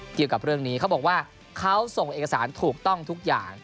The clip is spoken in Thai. เกี่ยวกับเรื่องนี้เขาบอกว่าเขาส่งเอกสารถูกต้องทุกอย่าง